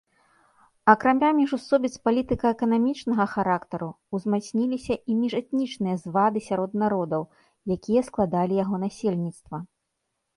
Акрамя міжусобіц палітыка-эканамічнага характару, узмацніліся і міжэтнічныя звады сярод народаў, якія складалі яго насельніцтва.